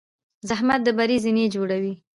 زحمت د بری زینې جوړوي.